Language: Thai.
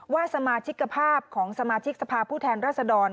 ว่าสมาชิกภาพของสมาชิกสภาพผู้แทนรัศดร